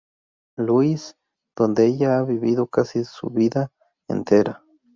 Louis, donde ella ha vivido casi su vida entera.